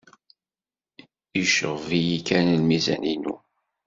Yecɣeb-iyi kan lmizan-inu.